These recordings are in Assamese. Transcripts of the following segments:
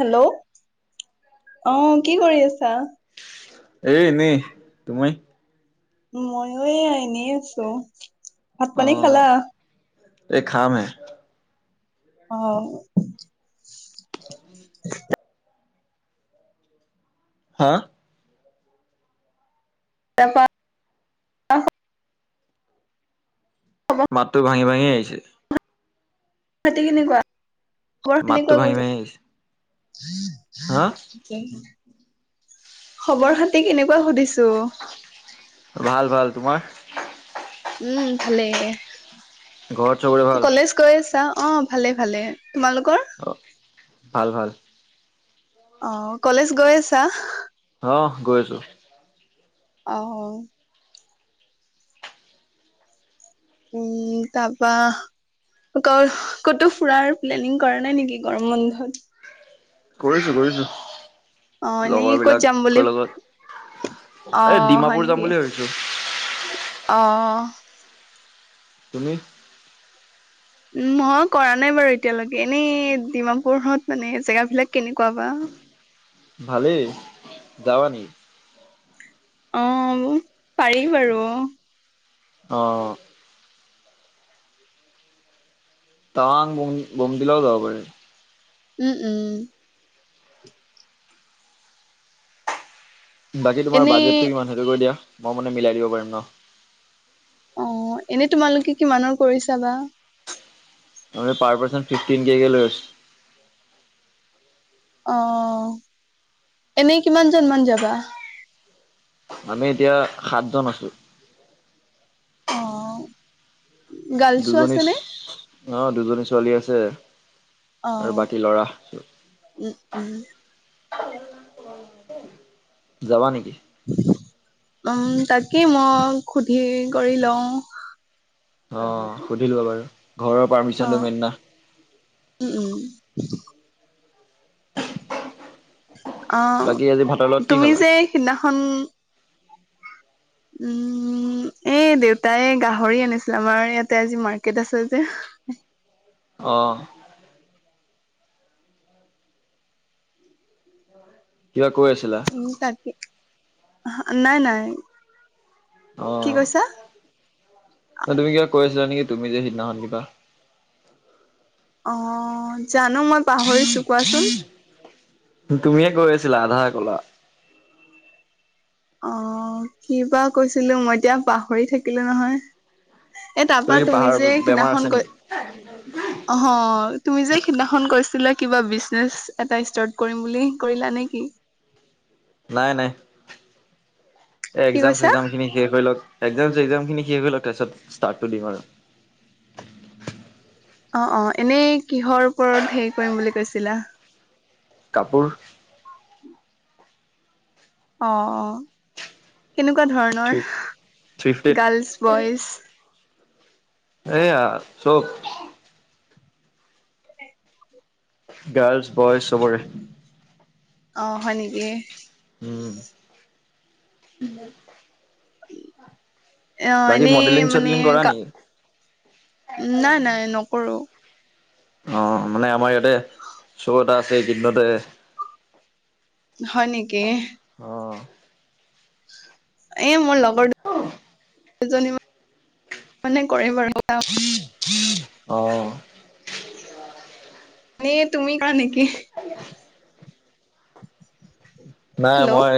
হেল্ল' অ কি কৰি আছা? এ এনে তুমি। মইয়ো এ এনেই আছো। ভাত অ পানী খালা? এই খাম হে। অ। হা। তাপা আ মাতটো ভাঙি ভাঙি আহিছে। বাকী কেনেকুৱা। খবৰ মাত টো কেনেকুৱা ভাগি গৈছে ভাগি আহিছে। হা খবৰ খাতি কেনেকুৱা সুধিছো? ভাল ভাল তোমাৰ। উম ভালেই। ঘৰত চবৰে ভাল। অ ভালে ভালে তোমালোকৰ। অ ভাল ভাল। অ কলেজ গৈ আছা। অ গৈ আছো। অ। উম তাৰপা। ক'তো ফুৰাৰ প্লেনিং কৰা নাই নেকি গৰম বন্ধত। কৰিছো কৰিছো। অ এনেই লগৰ ক'ত যাম বুলি বিলাকৰ অ লগত এই হয় ডিমাপুৰ নেকি যাম বুলি ভাবিছো। অ। তুমি। মই কৰা নাই বাৰু এতিয়ালৈকে এনেই ডিমাপুৰত মানে জেগাবিলাক কেনেকুৱা বা। [inaudible] ভালেই যাবা নি অ পাৰি বাৰু? অ টাৱাং বমদিলাও যাব পাৰিম উম উম বাকী তোমাৰ এনেই বাজেটটো কিমান সেইটো কৰি দিয়া মই মানে মিলাই দিব পাৰিম ন অ এনেই তোমালোকে কিমানৰ কৰিছা বা পাৰ পাৰ্চন ফিফটিন কে কে লৈ আছো অ এনেই কিমানজন মান যাবা আমি এতিয়া সাতজন আছো অ গাৰ্লছো দুজনী আছেনে? ছ- অ দুজনী ছোৱালী আছে আৰু অ', বাকী লৰা চব উম, উম, যাবা নেকি উম তাকেই মই সুধি কৰি লওঁ অ সুধিলোৱা বাৰু ঘৰৰ পাৰ্মিচনটো অ', মেইন ন উম, [unintelligible] অ বাকী আজি ভাতৰ লগত কি তুমি খালা? যে সিদিনাখন উম এই দেউতাই গাহৰি আনিছিল আমাৰ ইয়াতে আজি মাৰ্কেট আছে যে অ কিবা কৈ আছিলা উ তাকে নাই নাই অ কি কৈছা তুমি কিবা কৈ আছা নেকি তুমি যে সিদিনাখন কিবা অ জানো মই পাহৰিছো কোৱাচোন তুমিয়ে কৈ আছিলা আধা কলা অ কি বা কৈছিলো মই এতিয়া পাহৰি থাকিলো নহয় এ তাৰ পৰা কি তুমি পাহাৰ যে বেমাৰ আছে সেইদিনাখন নেকি? অ হ তুমি যে সিদিনাখন কৈছিলা কিবা বিজনেছ এটা ষ্টাৰ্ট কৰিম বুলি কৰিলা নে কি? নাই নাই। এ কি একজাম কৈছা চেকজাম খিনি শেষ হৈ লওঁক একজাম চেকজাম খিনি শেষ হৈল তাৰপিছত ষ্টাৰ্টটো দিম আৰু অ অ এনেই কিহৰ ওপৰত হেৰি কৰিম বুলি কৈছিলা কাপোৰ অ অ কেনেকুৱা কেনেকুৱা থ্ৰী ধৰণৰ ফিফটিত গাৰ্লছ বইজ এয়া চব [unintelligible] গাৰ্লছ বইজ চবৰে অ হয় নেকি উম অ বাকী এনেই মডেলিং মানে চডেলিং কৰা গা নেকি নাই নাই নকৰো অ মানে আমাৰ ইয়াতে চ 'এটা আছে এই কেইদিনতে হয় নেকি অ এ মোৰ লগ অ দুজনী মানে কৰে বাৰু। অ মানে তুমি কৰা নেকি [unintelligible] নাই হেল্ল' মই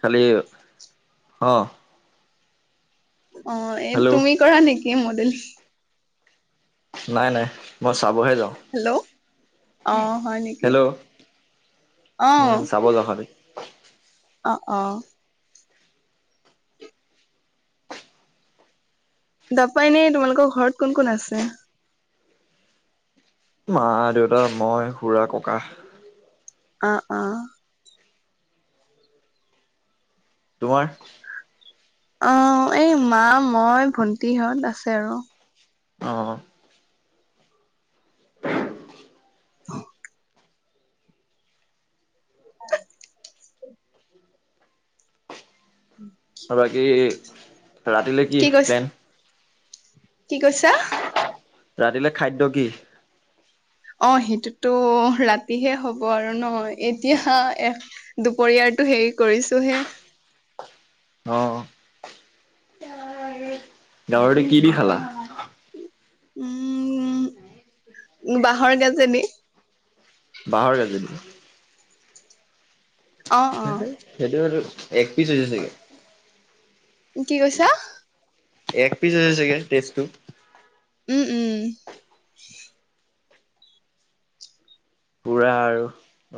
খালি অ অ এই হেল্ল' তুমি কৰা নেকি মডেলিং নাই নাই মই চাবহে যাওঁ হেল্ল' অ হয় নেকি হেল্ল অ প [unintelligible] অ অ তাপা এনেই তোমালোকৰ ঘৰত কোন কোন আছে? মা দেউতা, মই, খুৰা, ককা অ অ তোমাৰ? অ এই মা মই ভণ্টিহঁত আছে আৰু। অ অ উ [unintelligible] ত বাকী ৰাতিলে কি প্লেন? কি কৈছা? ৰাতিলে খাদ্য কি? অ সেইটোতো ৰাতিহে হব আৰু ন এতিয়া এ দুপৰীয়াৰ টো হেৰি কৰিছো হে। অ গাহৰিটো কি দি খালা? উম বাঁহৰ গাজেদি বাঁহৰ গাজে দি অ অ সেইটো সেটো এক পিচ হৈছে চাগে কি কৈছা? এক পিচ হৈছে চাগে তেজটো। উম উম পুৰা আৰু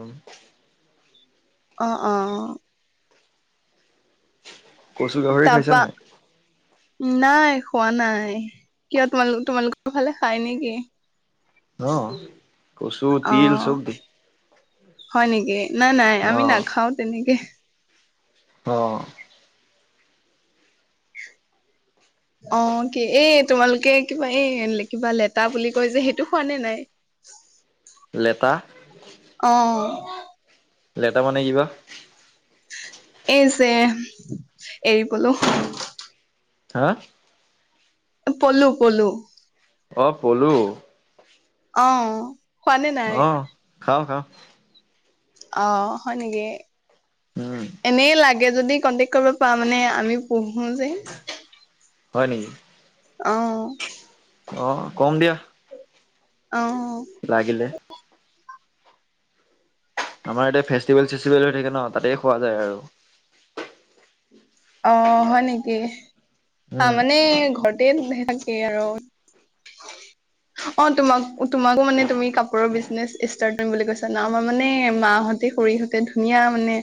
উম অ অ কচু গাহৰি তাৰপা খাইছানে নাই? নাই খোৱা নাই কিয় তোমালোক তোমালোকৰ ফালে খাই নেকি? অ কচু অ তিল চব দি হয় নেকি নাই নাই আমি অ', নাখাওঁ তেনেকে। অ অহ, কি এই তোমালোকে কিবা এই কিবা লেতা বুলি কৈ যে সেইটো খোৱা নে নাই? [inaudible] লেটা? অ লেটা মানে কিবা? এই যে এৰি পলো। হা? পলু - পলু। অহ, পলো। অহ অহ, খাওঁ - খাওঁ। অ, হয় নেকি উম, এনেই লাগে তে যদি কন্টেক কৰিব পা মানে আমি পঢ়ো যে। হয় নেকি? অ', অহ কম দিয়া। অ', লাগিলে। আমাৰ ইতিয়া ফেষ্টিভেল -চেষ্টিভেল হৈ থাকে ন'তাতেই খোৱা যায় আৰু। অহ, হয় নেকি? উম, তাৰমানে ঘৰতে [unintelligible] [inaudible] অহ, তোমাক তোমাকো মানে তুমি কাপোৰৰ বিজনেচ ষ্টাৰ্ট কৰিম বুলি কৈছা ন'আমাৰ মানে মাহত তে সৰিহতে ধুনীয়া মানে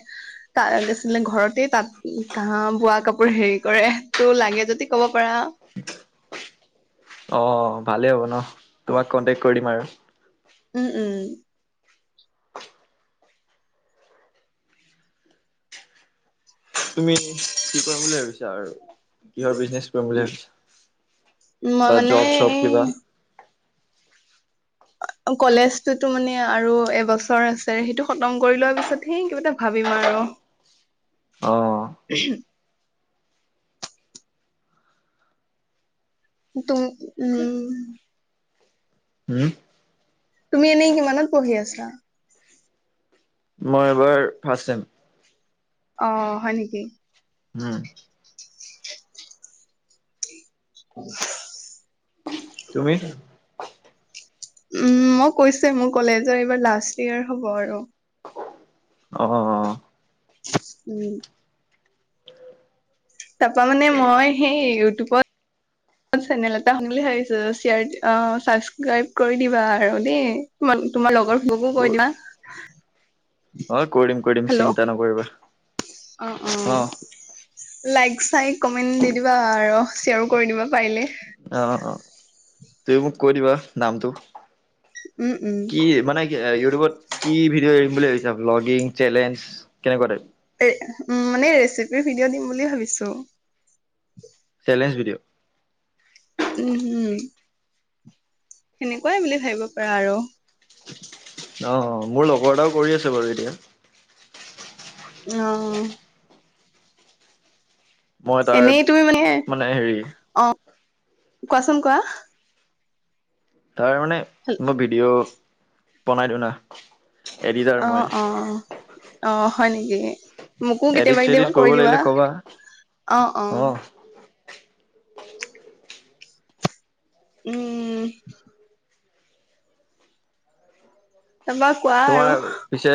তাত গ আছিলে ঘৰতে তাত ধাহ বোৱা কাপোৰ হেৰি কৰে তো লাগে যদি কব পাৰা অ', ভালেই হ'ব ন' তোমাক কন্টেক্ট কৰি দিম আৰু। উম উম তুমি কি কৰিম বুলি ভাবিছা আৰু কিহৰ উ বিজনেচ? মই [unintelligible] বা মানে জব চব কিবা? [inaudible] কলেজ টোতো মানে আৰু এবছৰ আছে, সেইটো খতম কৰি লোৱাৰ পিছতহে কিবা এটা ভাবিম আৰু। অ', [unintelligible] তুম - মি হম তুমি এনেই কিমানত পঢ়ি আছা? মই এবাৰ ফাষ্ট চেম। অহ, হয় নেকি? উম [inaudible] তুমি? উম, মই কৈছোৱে মোৰ কলেজৰ এইবাৰ লাষ্ট ইয়েৰ হ'ব আৰু। অহ উম। তাৰাপা মানে মই সেই ইউটিউবত চেনেল এটা খুলিম বুলি ভাবছো চাবক্ৰাইব কৰি দিবা আৰু দেই। তোমাৰ লগৰ বোৰকো কৈ দিবা। অ', কৰি দিম-কৰি দিম চিন্তা নকৰিবা। অহ - অহ অ লাইক লাইক চাইক কমেণ্ট দি দিবা আৰু শ্বেয়াৰো কৰি দিবা পাৰিলে। অ', তুমি মোক কৈ দিবা নামটো? উম, উম। কি মানে কি ইউটিউবত কি ভিডিঅ' এৰিম বুলি ভাবিছা? এ ব্লগিং, চেলেঞ্জ কেনেকোৱা টাইপৰ? উম, মানে ৰেচিপিৰ ভিডিঅ' দিম বুলি ভাবিছো। Challenge video? উম-হম। সেনেকোৱাই বুলি ভাবিব পাৰা আৰু। অ, মোৰ লগৰ এটাও কৰি আছে বাৰু এতিয়া। অ। মই তাৰ এনেই তুমি মানে, অ কোৱাচোন কোৱা? তাৰ মানে মই ভিডিঅ' বনাই দিওঁ ন? এডিটাৰ অ' মই। অ' অ, হয় নেকি? মোকো এডিট কেতিয়াবা চেডিট কেতিয়াবা কৰিব কৰি দিবা। লাগিলে কবা অ, অ উম। তাৰপা কোৱা আৰু তোমাৰ পিছে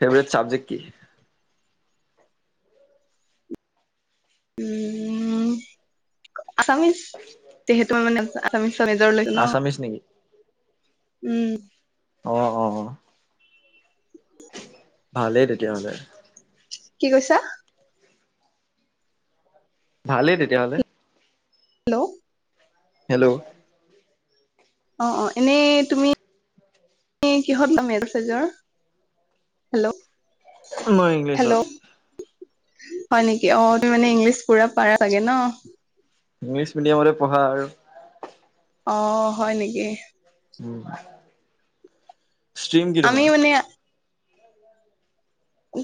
ফেভৰেট চাবজেক্ট কি? উম, আছামিজ যিহেতু মই মানে আছামিজ। নিজৰ লাগে ন, আছামিছ নেকি উম। অ, অ, অ। ভালেই তেতিয়া হ'লে। কি কৈছা? ভালেই তেতিয়াহলে হেল্ল' হেল্ল' অ অ, এনেই তুমি তুমি কিহত ললা মেজৰ-চেজৰ হেল্ল' মই ইংলিছত হেল্ল' হয় নেকি, অ তুমি মানে ইংলিছ পুৰা পাৰা চাগে ন। ইংলিছ মিডিয়ামতে পঢ়া আৰু অ, হয় নেকি? উমহ আ ষ্ট্ৰীম কি আমি লবা? মানে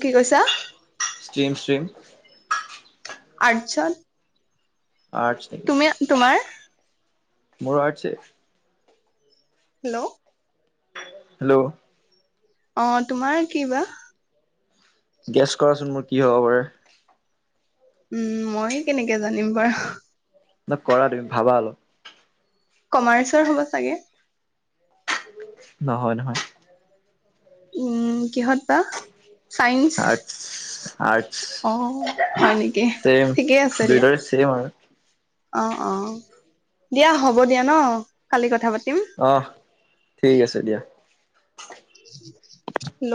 কি কৈছা ষ্ট্ৰীম ষ্ট্ৰীম আৰ্টচৰ আৰ্টছ নেকি তুমি আ তোমাৰ মোৰ আৰ্টচে। হেল্ল' হেল্ল' অ, তোমাৰ কি বা? গেছ কৰাচোন মোৰ কি হ'ব পাৰে? উম উ মই কেনেকে জানিম বাৰু হাহ ন কৰা তুমি ভাবা আলপ। কমাৰ্চৰ হ'ব চাগে নহয় নহয় ঠাক উম কিহত বা চাইন্স আৰ্টছ আৰ্টছ অ হয় নেকি ছেম ঠিকেই আছে দিয়া। দুইটাৰে ছেম আৰু অ অ, দিয়া হ'ব দিয়া ন কালি কথা পাতি অহ, ঠিক আছে দিয়া। ঝিঝি ঝিঝি হেল্ল'